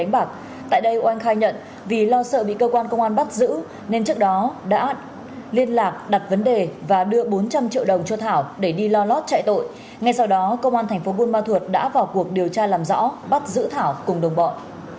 ngay sau đó công an thành phố buôn ma thuột đã vào cuộc điều tra làm rõ bắt giữ thảo cùng đồng bọn